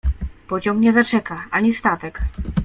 Pociąg nie zaczeka, ani statek.